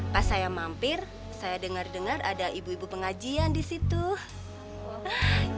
pas saya mampir saya dengar dengar ada ibu ibu pengajian di situ